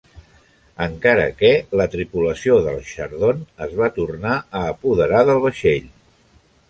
Encara que la tripulació del Chardon es va tornar a apoderar del vaixell.